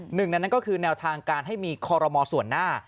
หนึ่งในนั้นก็คือแนวทางการให้มีคอรมอส่วนหน้า